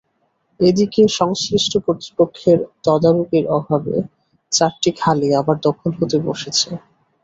এদিকে সংশ্লিষ্ট কর্তৃপক্ষের তদারকির অভাবে চারটি খালই আবার দখল হতে বসেছে।